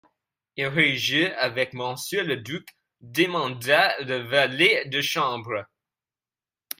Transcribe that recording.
Irai-je avec monsieur le duc, demanda le valet de chambre.